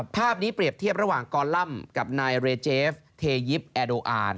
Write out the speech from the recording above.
ภาพนี้เปรียบเทียบระหว่างกรลัมกับนายเรเจฟเทยิปแอโดอาร์